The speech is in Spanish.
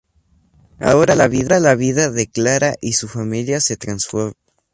Ahora la vida de "Clara" y su familia se transforma.